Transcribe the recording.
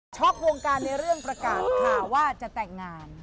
วงการในเรื่องประกาศข่าวว่าจะแต่งงาน